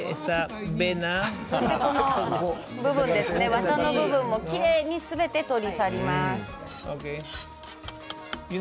わたの部分もすべてきれいに取り去ります。